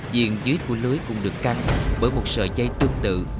diện dưới của lưới cũng được căng bởi một sợi dây tương tự